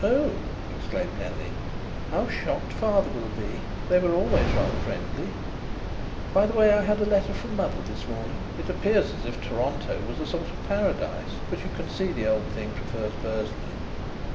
"Oh!" exclaimed Nellie. "How shocked father will be! They were always rather friendly. By the way, I had a letter from mother this morning. It appears as if Toronto was a sort of paradise. But you can see the old thing prefers Bursley.